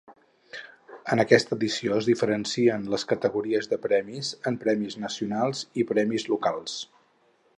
En aquesta edició es diferencien les categories de premis en Premis Nacionals i Premis Locals.